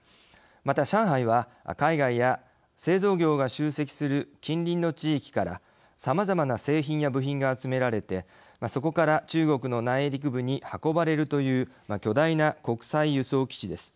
また、上海は海外や製造業が集積する近隣の地域からさまざまな製品や部品が集められてそこから中国の内陸部に運ばれるという巨大な国際輸送基地です。